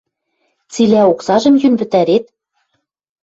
— Цилӓ оксажым йӱн пӹтӓрет?